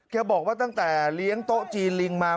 แกบอกว่าตั้งแต่เลี้ยงโต๊ะจีนลิงมา